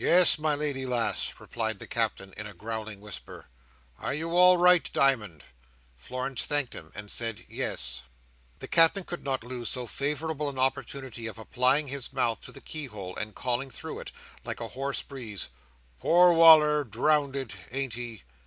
"Yes, my lady lass," replied the Captain, in a growling whisper. "Are you all right, di'mond?" Florence thanked him, and said "Yes." The Captain could not lose so favourable an opportunity of applying his mouth to the keyhole, and calling through it, like a hoarse breeze, "Poor Wal"r! Drownded, ain't he?"